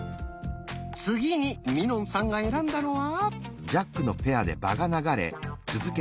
次にみのんさんが選んだのは？